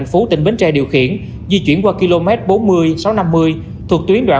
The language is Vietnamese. cô ơi con lại về đây ạ